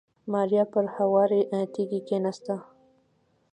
ماريا پر هوارې تيږې کېناسته.